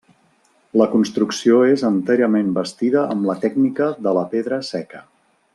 La construcció és enterament bastida amb la tècnica de la pedra seca.